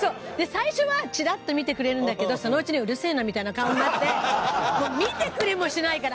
最初はチラッと見てくれるんだけどそのうちに「うるせえな」みたいな顔になって見てくれもしないから。